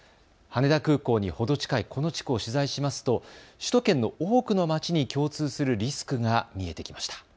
羽田空港に程近いこの地区を取材しますと首都圏の多くの町に共通するリスクが見えてきました。